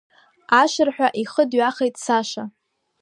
Ашырҳәа ихы дҩахеит Саша.